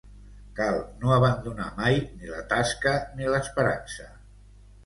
Cal no abandonar mai ni la tasca ni l'esperança.